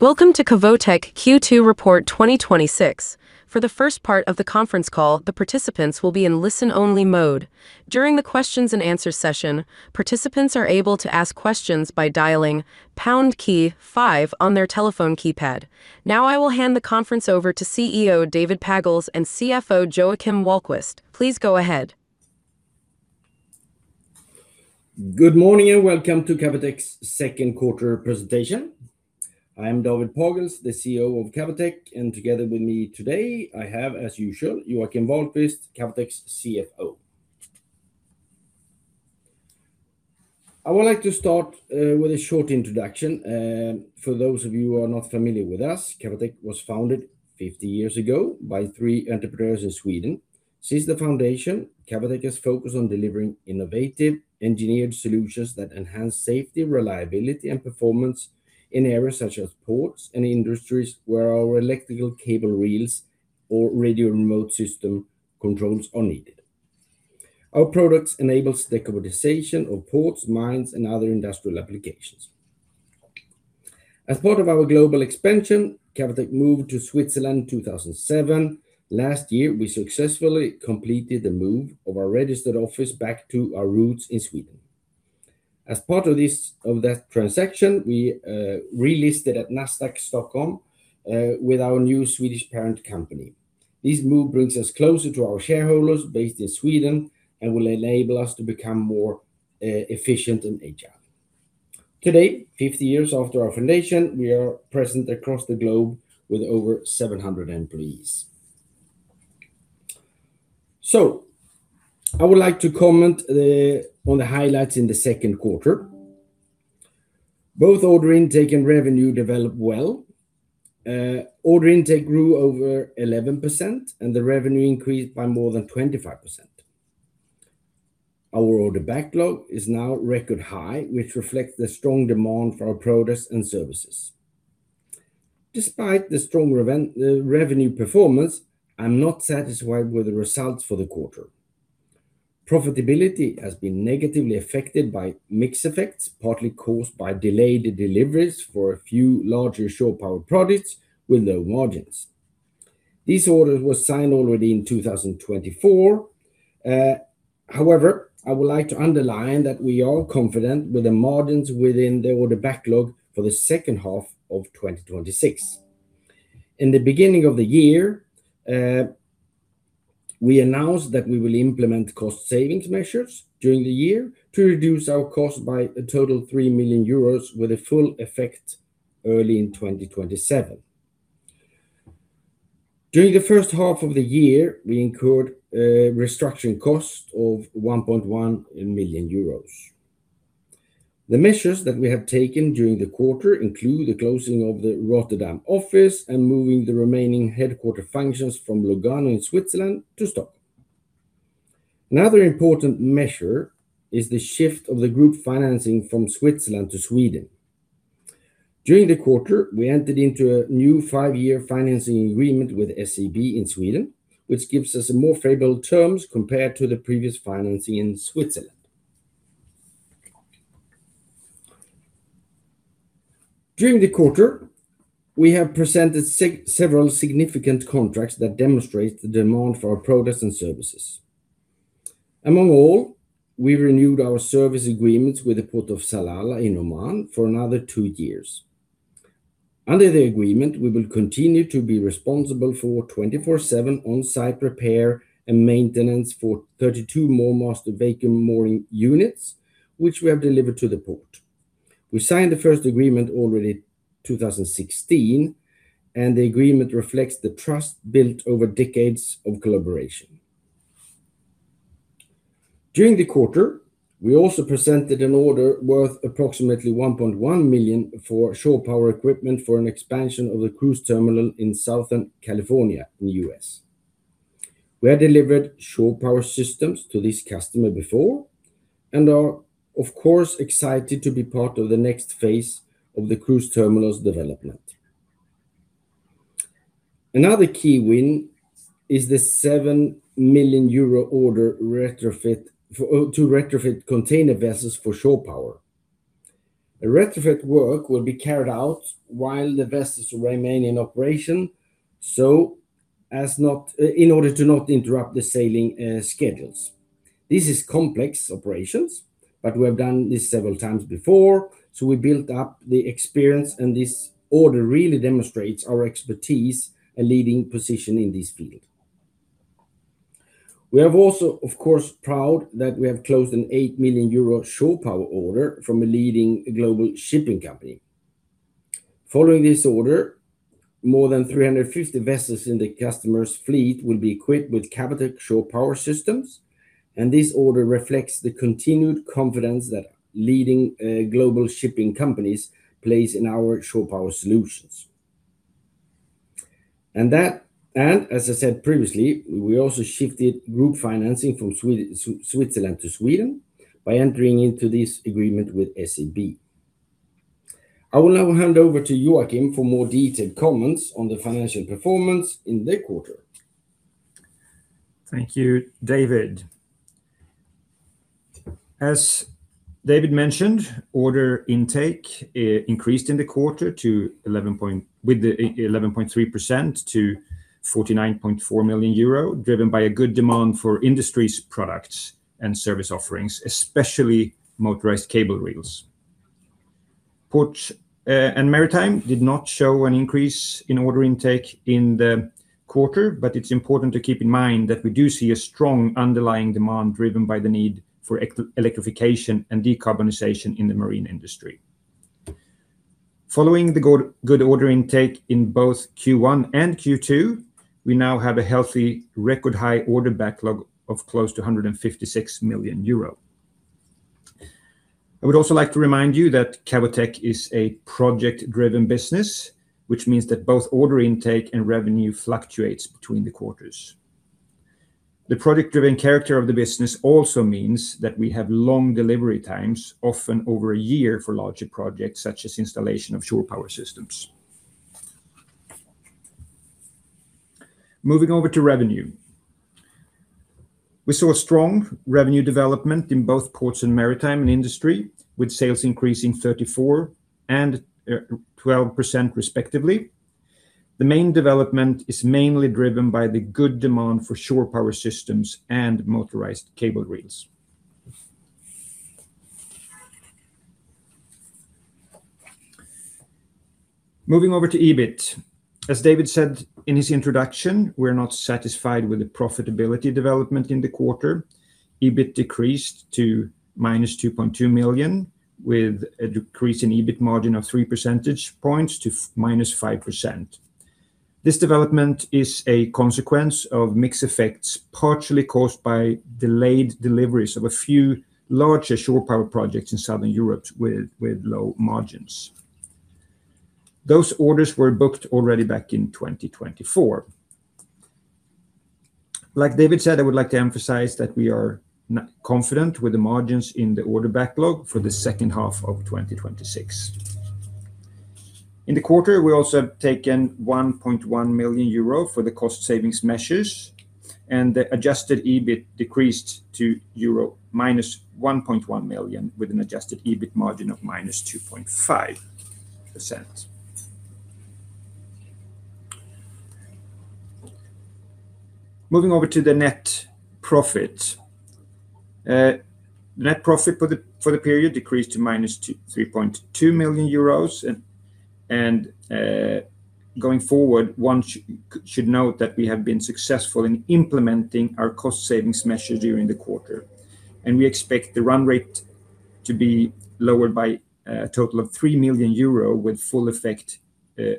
Welcome to Cavotec Q2 Report 2026. For the first part of the conference call, the participants will be in listen-only mode. During the questions and answer session, participants are able to ask questions by dialing pound key five on their telephone keypad. I will hand the conference over to CEO David Pagels and CFO Joakim Wahlquist. Please go ahead. Good morning and welcome to Cavotec's second quarter presentation. I am David Pagels, the CEO of Cavotec, and together with me today, I have, as usual, Joakim Wahlquist, Cavotec's CFO. I would like to start with a short introduction. For those of you who are not familiar with us, Cavotec was founded 50 years ago by three entrepreneurs in Sweden. Since the foundation, Cavotec has focused on delivering innovative, engineered solutions that enhance safety, reliability, and performance in areas such as ports and industries where our electrical cable reels or radio remote system controls are needed. Our products enable the commoditization of ports, mines, and other industrial applications. As part of our global expansion, Cavotec moved to Switzerland in 2007. Last year, we successfully completed the move of our registered office back to our roots in Sweden. As part of that transaction, we relisted at Nasdaq Stockholm with our new Swedish parent company. This move brings us closer to our shareholders based in Sweden and will enable us to become more efficient and agile. Today, 50 years after our foundation, we are present across the globe with over 700 employees. I would like to comment on the highlights in the second quarter. Both order intake and revenue developed well. Order intake grew over 11%, and the revenue increased by more than 25%. Our order backlog is now record high, which reflects the strong demand for our products and services. Despite the strong revenue performance, I am not satisfied with the results for the quarter. Profitability has been negatively affected by mix effects, partly caused by delayed deliveries for a few larger shore power products with low margins. These orders were signed already in 2024. I would like to underline that we are confident with the margins within the order backlog for the second half of 2026. In the beginning of the year, we announced that we will implement cost-savings measures during the year to reduce our cost by a total of 3 million euros with a full effect early in 2027. During the first half of the year, we incurred restructuring costs of 1.1 million euros. The measures that we have taken during the quarter include the closing of the Rotterdam office and moving the remaining headquarter functions from Lugano in Switzerland to Stockholm. Another important measure is the shift of the group financing from Switzerland to Sweden. During the quarter, we entered into a new five-year financing agreement with SEB in Sweden, which gives us more favorable terms compared to the previous financing in Switzerland. During the quarter, we have presented several significant contracts that demonstrate the demand for our products and services. Among all, we renewed our service agreements with the Port of Salalah in Oman for another two years. Under the agreement, we will continue to be responsible for 24/7 on-site repair and maintenance for 32 MoorMaster vacuum mooring units, which we have delivered to the port. We signed the first agreement already in 2016, and the agreement reflects the trust built over decades of collaboration. During the quarter, we also presented an order worth approximately 1.1 million for shore power equipment for an expansion of the cruise terminal in Southern California in the U.S. We have delivered shore power systems to this customer before and are, of course, excited to be part of the next phase of the cruise terminal's development. Another key win is the 7 million euro order to retrofit container vessels for shore power. The retrofit work will be carried out while the vessels remain in operation, in order to not interrupt the sailing schedules. This is complex operations, but we have done this several times before, so we built up the experience, and this order really demonstrates our expertise and leading position in this field. We are also, of course, proud that we have closed an 8 million euro shore power order from a leading global shipping company. Following this order, more than 350 vessels in the customer's fleet will be equipped with Cavotec shore power systems, and this order reflects the continued confidence that leading global shipping companies place in our shore power solutions. As I said previously, we also shifted group financing from Switzerland to Sweden by entering into this agreement with SEB. I will now hand over to Joakim for more detailed comments on the financial performance in the quarter. Thank you, David. As David mentioned, order intake increased in the quarter with 11.3% to 49.4 million euro, driven by a good demand for Industry products and service offerings, especially motorized reels. Ports & Maritime did not show an increase in order intake in the quarter, but it's important to keep in mind that we do see a strong underlying demand driven by the need for electrification and decarbonization in the marine industry. Following the good ordering intake in both Q1 and Q2, we now have a healthy record high order backlog of close to 156 million euro. I would also like to remind you that Cavotec is a project-driven business, which means that both order intake and revenue fluctuates between the quarters. The project-driven character of the business also means that we have long delivery times, often over a year, for larger projects such as installation of shore power systems. Moving over to revenue. We saw strong revenue development in both Ports & Maritime and Industry, with sales increasing 34% and 12% respectively. The main development is mainly driven by the good demand for shore power systems and motorized cable reels. Moving over to EBIT. As David said in his introduction, we're not satisfied with the profitability development in the quarter. EBIT decreased to -2.2 million, with a decrease in EBIT margin of 3 percentage points to -5%. This development is a consequence of mix effects, partially caused by delayed deliveries of a few larger shore power projects in Southern Europe with low margins. Those orders were booked already back in 2024. Like David said, I would like to emphasize that we are confident with the margins in the order backlog for the second half of 2026. In the quarter, we also have taken 1.1 million euro for the cost savings measures, and the adjusted EBIT decreased to -1.1 million euro with an adjusted EBIT margin of -2.5%. Moving over to the net profit. Net profit for the period decreased to -3.2 million euros. Going forward, one should note that we have been successful in implementing our cost savings measures during the quarter. We expect the run rate to be lowered by a total of 3 million euro with full effect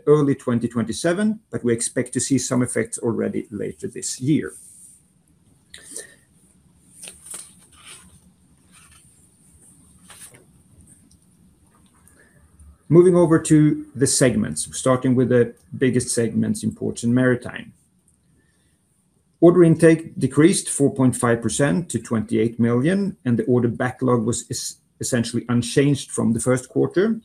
early 2027, but we expect to see some effects already later this year. Moving over to the segments, starting with the biggest segments in Ports & Maritime. Order intake decreased 4.5% to 28 million, and the order backlog was essentially unchanged from the first quarter.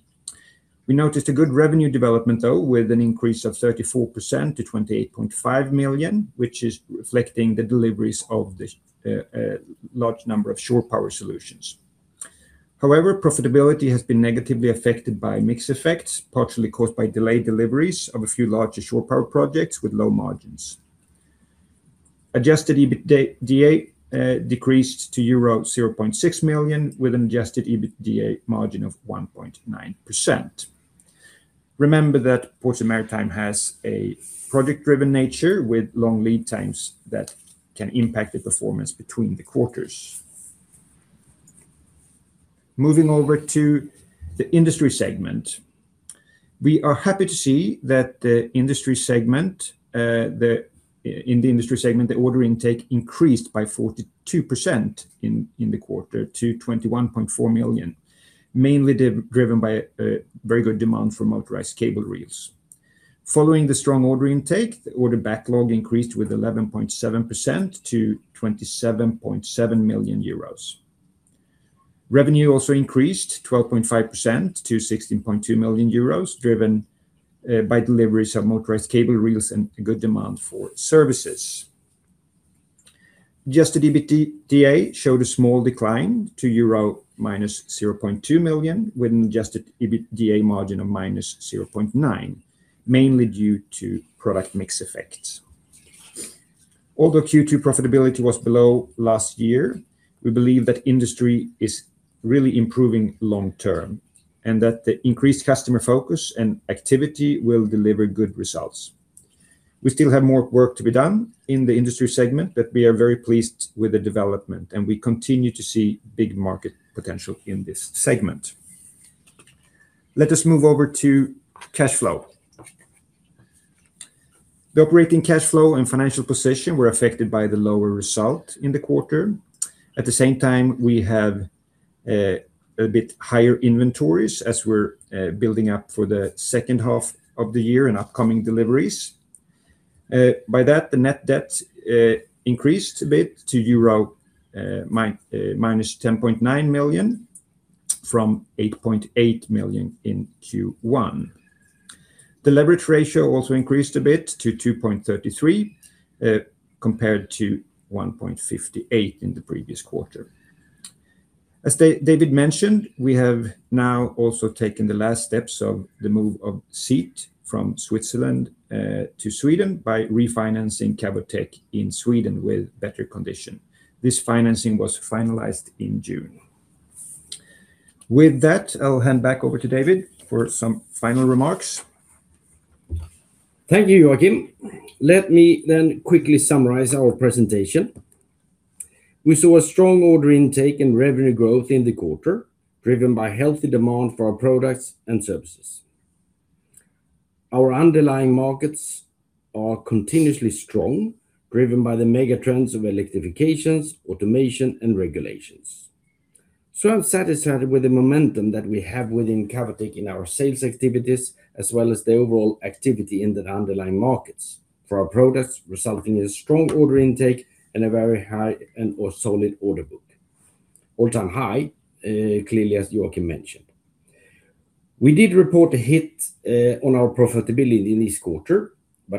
We noticed a good revenue development though, with an increase of 34% to 28.5 million, which is reflecting the deliveries of the large number of shore power solutions. However, profitability has been negatively affected by mix effects, partially caused by delayed deliveries of a few larger shore power projects with low margins. Adjusted EBITDA decreased to euro 0.6 million with an adjusted EBITDA margin of 1.9%. Remember that Ports & Maritime has a project-driven nature with long lead times that can impact the performance between the quarters. Moving over to the Industry segment. We are happy to see that in the Industry segment, the order intake increased by 42% in the quarter to 21.4 million, mainly driven by a very good demand for motorized cable reels. Following the strong order intake, the order backlog increased with 11.7% to 27.7 million euros. Revenue also increased 12.5% to 16.2 million euros, driven by deliveries of motorized cable reels and good demand for services. Adjusted EBITDA showed a small decline to -0.2 million euro with an adjusted EBITDA margin of -0.9%, mainly due to product mix effects. Although Q2 profitability was below last year, we believe that Industry is really improving long term, and that the increased customer focus and activity will deliver good results. We still have more work to be done in the Industry segment, but we are very pleased with the development, and we continue to see big market potential in this segment. Let us move over to cash flow. The operating cash flow and financial position were affected by the lower result in the quarter. At the same time, we have a bit higher inventories as we are building up for the second half of the year and upcoming deliveries. By that, the net debt increased a bit to -10.9 million euro from 8.8 million in Q1. The leverage ratio also increased a bit to 2.33x, compared to 1.58x in the previous quarter. As David mentioned, we have now also taken the last steps of the move of seat from Switzerland to Sweden by refinancing Cavotec in Sweden with better conditions. This financing was finalized in June. I will hand back over to David for some final remarks. Thank you, Joakim. Let me quickly summarize our presentation. We saw a strong order intake and revenue growth in the quarter, driven by healthy demand for our products and services. Our underlying markets are continuously strong, driven by the mega trends of electrification, automation, and regulations. I am satisfied with the momentum that we have within Cavotec in our sales activities, as well as the overall activity in the underlying markets for our products, resulting in a strong order intake and a very high and solid order book. All-time high, clearly, as Joakim mentioned. We did report a hit on our profitability in this quarter.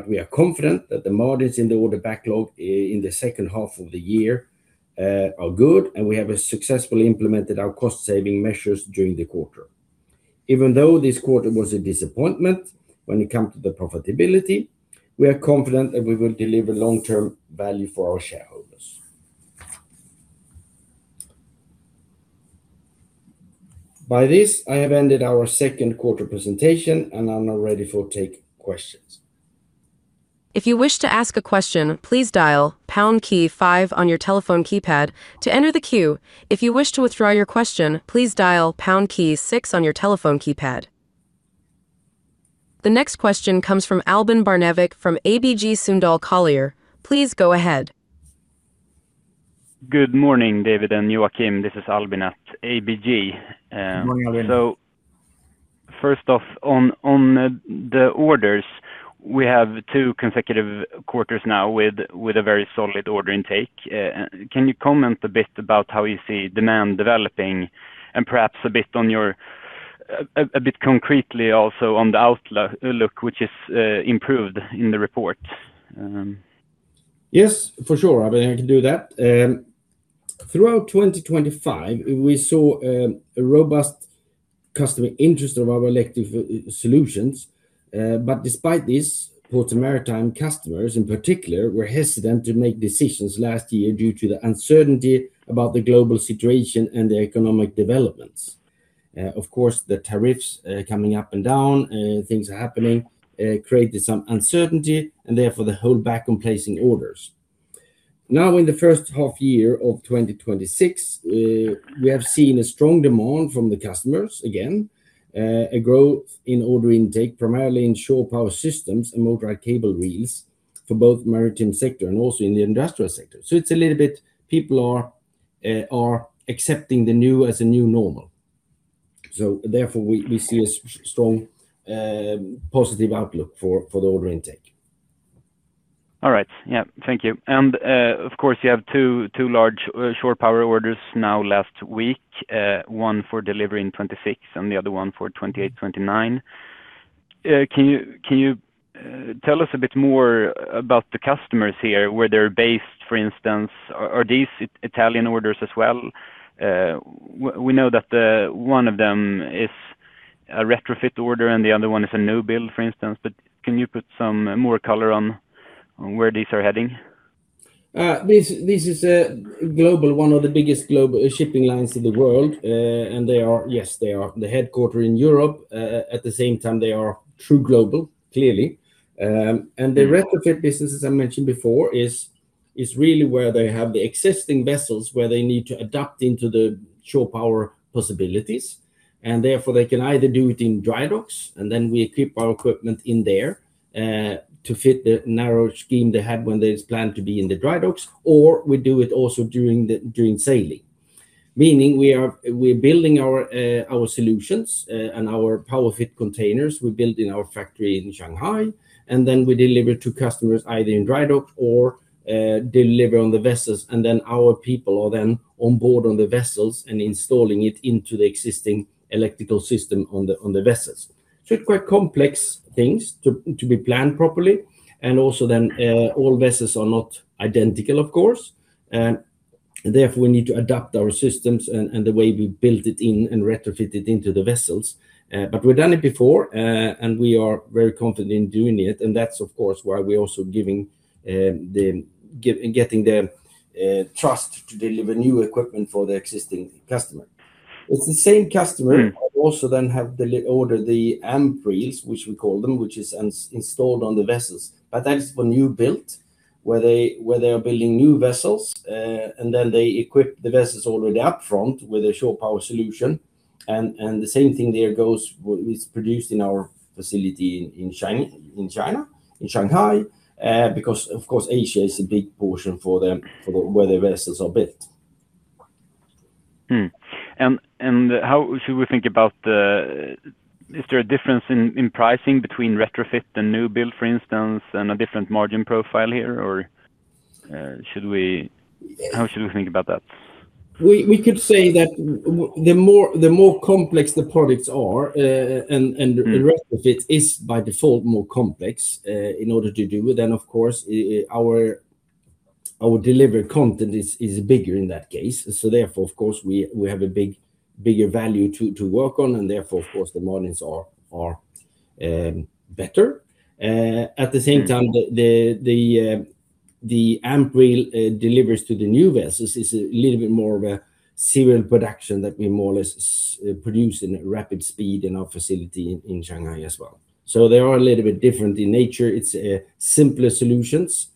We are confident that the margins in the order backlog in the second half of the year are good, and we have successfully implemented our cost-saving measures during the quarter. Even though this quarter was a disappointment when it comes to the profitability, we are confident that we will deliver long-term value for our shareholders. By this, I have ended our second quarter presentation, and I am now ready to take questions. If you wish to ask a question, please dial pound key five on your telephone keypad to enter the queue. If you wish to withdraw your question, please dial pound key six on your telephone keypad. The next question comes from Albin Barnevik from ABG Sundal Collier. Please go ahead. Good morning, David and Joakim. This is Albin at ABG. Good morning, Albin. First off, on the orders, we have two consecutive quarters now with a very solid order intake. Can you comment a bit about how you see demand developing and perhaps a bit concretely also on the outlook, which is improved in the report? Yes, for sure, Albin. I can do that. Throughout 2025, we saw a robust customer interest of our electrification solutions. Despite this, both the maritime customers in particular were hesitant to make decisions last year due to the uncertainty about the global situation and the economic developments. Of course, the tariffs coming up and down, things are happening, created some uncertainty and therefore the holdback on placing orders. Now, in the first half year of 2026, we have seen a strong demand from the customers again, a growth in order intake, primarily in shore power systems and motorized cable reels for both maritime sector and also in the industrial sector. It's a little bit people are accepting the new as a new normal. Therefore we see a strong, positive outlook for the order intake. All right. Yeah. Thank you. Of course, you have two large shore power orders now last week, one for delivery in 2026 and the other one for 2028, 2029. Can you tell us a bit more about the customers here, where they are based, for instance? Are these Italian orders as well? We know that one of them is a retrofit order and the other one is a new build, for instance. Can you put some more color on where these are heading? This is one of the biggest global shipping lines in the world. They are headquartered in Europe. At the same time, they are truly global, clearly. The retrofit business, as I mentioned before, is really where they have the existing vessels, where they need to adapt into the shore power possibilities, and therefore they can either do it in dry docks, and then we equip our equipment in there, to fit the narrow scheme they had when they planned to be in the dry docks, or we do it also during sailing. Meaning we are building our solutions and our PowerFit containers, we build in our factory in Shanghai, and then we deliver to customers either in dry dock or deliver on the vessels, and then our people are then on board on the vessels and installing it into the existing electrical system on the vessels. It's quite complex things to be planned properly. Also then, all vessels are not identical, of course. Therefore, we need to adapt our systems and the way we build it in and retrofit it into the vessels. We've done it before, and we are very confident in doing it, and that's of course why we are also getting their trust to deliver new equipment for the existing customer. It's the same customer who also then has ordered the AMPReel, which we call them, which is installed on the vessels. That is for new build, where they are building new vessels, and then they equip the vessels already up front with a shore power solution. The same thing there goes, it's produced in our facility in Shanghai, because of course, Asia is a big portion for where their vessels are built. How should we think about, is there a difference in pricing between retrofit and new build, for instance, and a different margin profile here, or? How should we think about that? We could say that the more complex the products are, and the retrofit is by default more complex in order to do, then of course, our delivered content is bigger in that case. Therefore, of course, we have a bigger value to work on, and therefore, of course, the margins are better. At the same time, the AMPReel delivers to the new vessels is a little bit more of a serial production that we more or less produce in rapid speed in our facility in Shanghai as well. They are a little bit different in nature. It's simpler solutions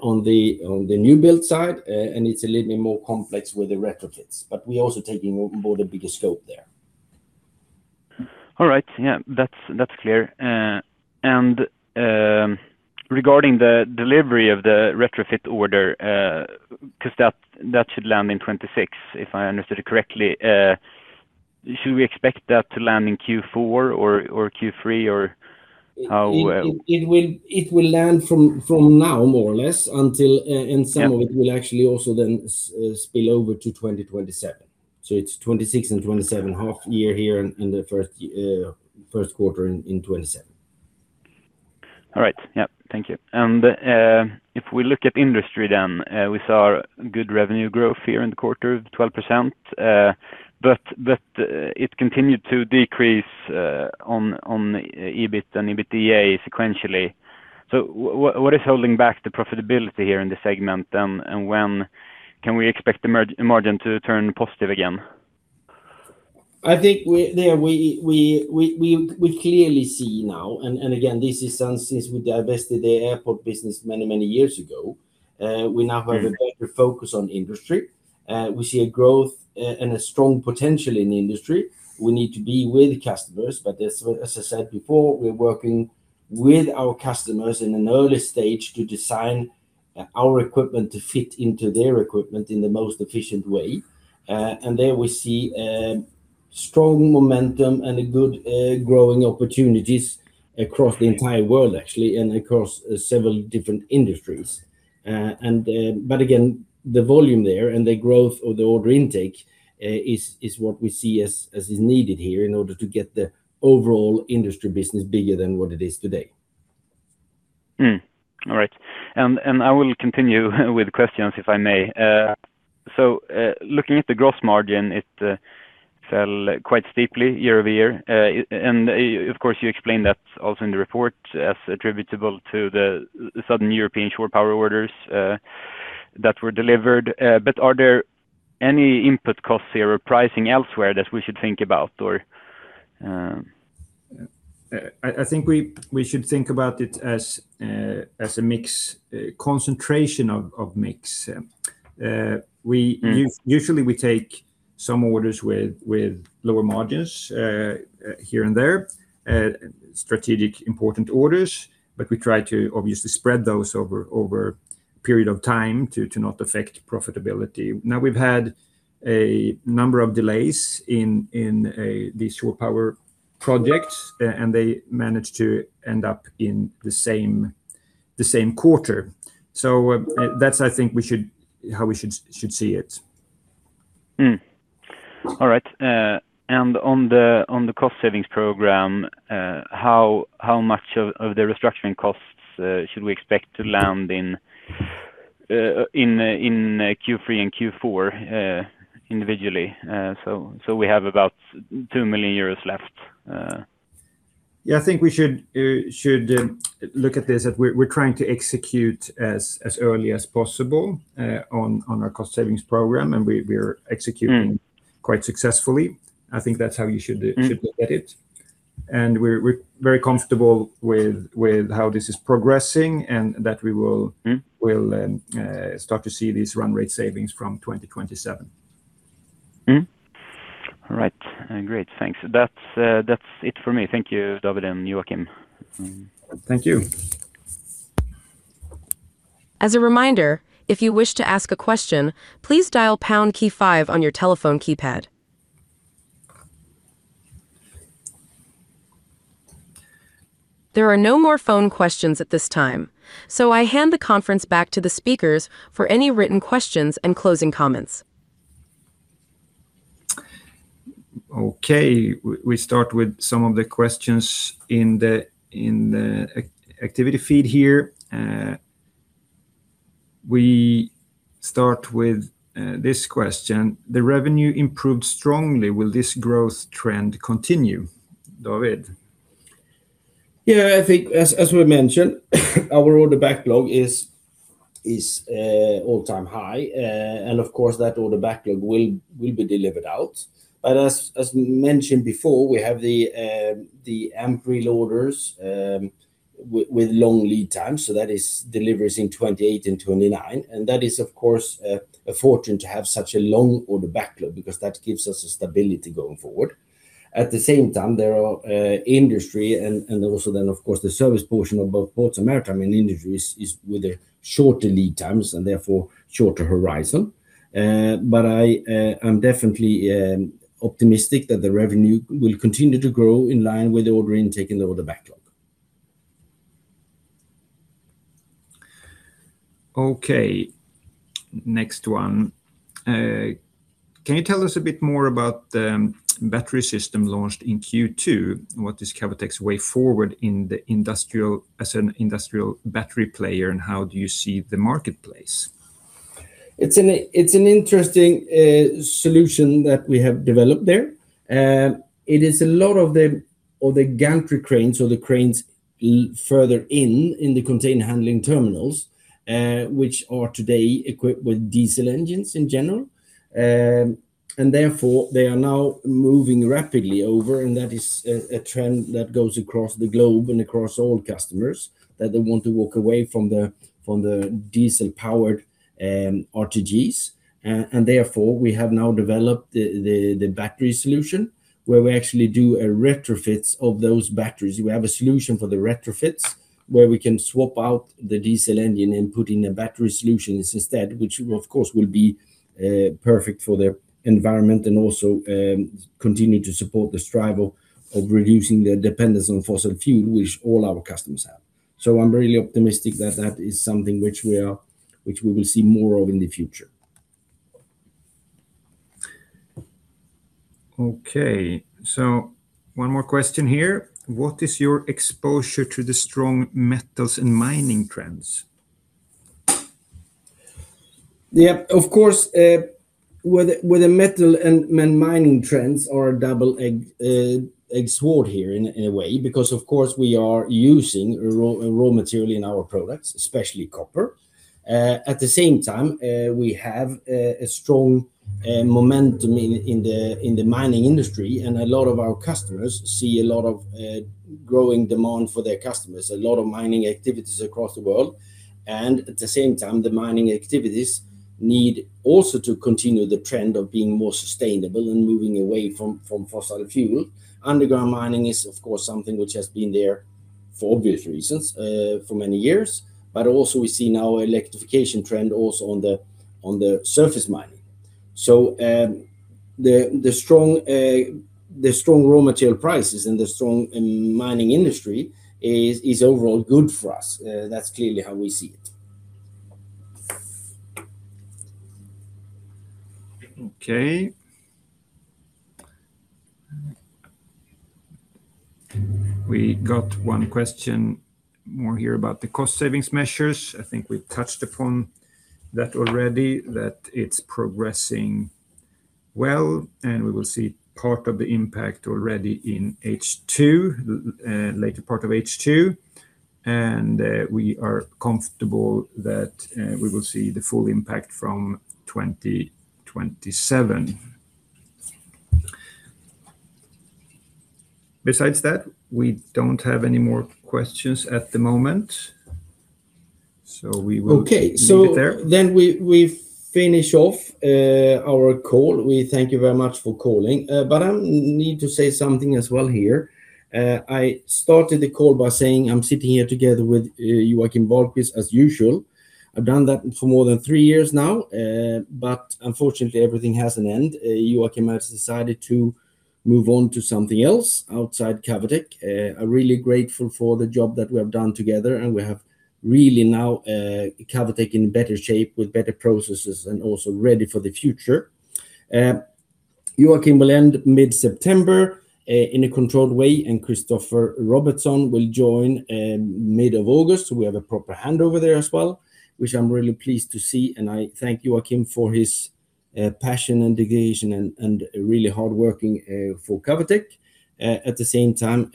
on the new build side, and it's a little bit more complex with the retrofits. We're also taking on board a bigger scope there. All right. Yeah, that's clear. Regarding the delivery of the retrofit order, because that should land in 2026, if I understood correctly. Should we expect that to land in Q4 or Q3? It will land from now more or less until, and some of it will actually also then spill over to 2027. It's 2026 and 2027, half year here in the first quarter in 2027. All right. Yeah. Thank you. If we look at Industry then, we saw good revenue growth here in the quarter, 12%, but it continued to decrease on EBIT and EBITDA sequentially. What is holding back the profitability here in the segment? When can we expect the margin to turn positive again? I think we clearly see now, and again, this is since we divested the airport business many, many years ago. We now have a better focus on Industry. We see a growth and a strong potential in Industry. We need to be with customers, as I said before, we're working with our customers in an early stage to design our equipment to fit into their equipment in the most efficient way. There we see strong momentum and good growing opportunities across the entire world, actually, and across several different industries. Again, the volume there and the growth of the order intake is what we see as is needed here in order to get the overall Industry business bigger than what it is today. All right. I will continue with questions, if I may. Yeah. Looking at the gross margin, it fell quite steeply year-over-year. Of course, you explained that also in the report as attributable to the Southern European shore power orders that were delivered. Are there any input costs there or pricing elsewhere that we should think about? I think we should think about it as a mix, concentration of mix. Usually, we take some orders with lower margins here and there, strategic important orders, but we try to obviously spread those over a period of time to not affect profitability. We've had a number of delays in the shore power project, and they managed to end up in the same quarter. That's how I think we should see it. All right. On the cost savings program, how much of the restructuring costs should we expect to land in Q3 and Q4 individually? We have about 2 million euros left. Yeah, I think we should look at this, that we're trying to execute as early as possible on our cost savings program, and we're executing quite successfully. I think that's how you should look at it. We're very comfortable with how this is progressing and that we will start to see these run rate savings from 2027. All right. Great. Thanks. That's it for me. Thank you, David and Joakim. Thank you. As a reminder, if you wish to ask a question, please dial pound key five on your telephone keypad. There are no more phone questions at this time. I hand the conference back to the speakers for any written questions and closing comments. Okay. We start with some of the questions in the activity feed here. We start with this question. The revenue improved strongly. Will this growth trend continue, David? Yeah, I think as we mentioned, our order backlog is all-time high, of course, that order backlog will be delivered out. As mentioned before, we have the AMPReel orders with long lead times, so that is deliveries in 2028 and 2029. That is, of course, a fortune to have such a long order backlog because that gives us a stability going forward. At the same time, there are Industry and also, of course, the service portion of both Ports & Maritime and Industry is with shorter lead times and therefore shorter horizon. I'm definitely optimistic that the revenue will continue to grow in line with the order intake and the order backlog. Okay, next one. Can you tell us a bit more about the battery system launched in Q2? What is Cavotec's way forward as an industrial battery player, and how do you see the marketplace? It's an interesting solution that we have developed there. It is a lot of the gantry cranes, so the cranes further in the container handling terminals, which are today equipped with diesel engines in general. Therefore, they are now moving rapidly over, and that is a trend that goes across the globe and across all customers, that they want to walk away from the diesel-powered RTGs. Therefore, we have now developed the battery solution, where we actually do a retrofit of those batteries. We have a solution for the retrofits, where we can swap out the diesel engine and put in a battery solution instead, which of course, will be perfect for the environment and also continue to support the strive of reducing their dependence on fossil fuel, which all our customers have. I'm really optimistic that that is something which we will see more of in the future. Okay. One more question here. What is your exposure to the strong metals and mining trends? Yeah, of course, with the metals and mining trends are a double-edged sword here in a way, because, of course, we are using raw material in our products, especially copper. At the same time, we have a strong momentum in the Mining Industry, and a lot of our customers see a lot of growing demand for their customers, a lot of mining activities across the world. At the same time, the mining activities need also to continue the trend of being more sustainable and moving away from fossil fuel. Underground mining is, of course, something which has been there for obvious reasons, for many years. Also we see now electrification trend also on the surface mining. The strong raw material prices and the strong Mining Industry is overall good for us. That's clearly how we see it. Okay. We got one question more here about the cost savings measures. I think we've touched upon that already, that it's progressing well, and we will see part of the impact already in H2, later part of H2. We are comfortable that we will see the full impact from 2027. Besides that, we don't have any more questions at the moment, we will leave it there. We finish off our call. We thank you very much for calling. I need to say something as well here. I started the call by saying I am sitting here together with Joakim Wahlquist, as usual. I have done that for more than three years now. Unfortunately, everything has an end. Joakim has decided to move on to something else outside Cavotec. I am really grateful for the job that we have done together, and we have really now Cavotec in better shape with better processes and also ready for the future. Joakim will end mid-September in a controlled way, and Christoffer Robertsson will join mid-August. We have a proper handover there as well, which I am really pleased to see. I thank Joakim for his passion and dedication and really hard working for Cavotec. At the same time,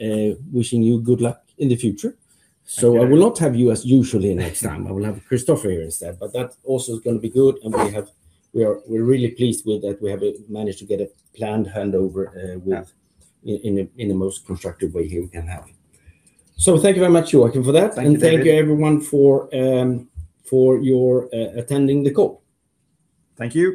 wishing you good luck in the future. I will not have you as usually next time. I will have Christoffer here instead, but that also is going to be good. We are really pleased with that. We have managed to get a planned handover- Yeah. In the most constructive way you can have. Thank you very much, Joakim, for that. Thank you, David. Thank you, everyone, for attending the call. Thank you.